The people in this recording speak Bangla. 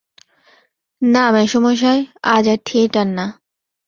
না মেসোমশায়, আজ আর থিয়েটার না।